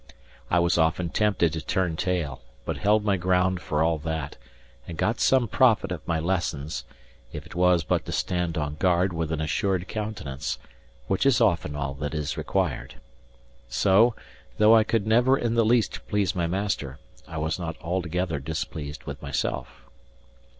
I was often tempted to turn tail, but held my ground for all that, and got some profit of my lessons; if it was but to stand on guard with an assured countenance, which is often all that is required. So, though I could never in the least please my master, I was not altogether displeased with myself.